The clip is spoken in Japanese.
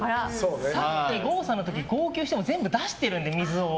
さっき郷さんの時、号泣して全部出してるんで、水を。